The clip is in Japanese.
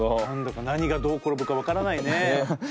何だか何がどう転ぶか分からないね。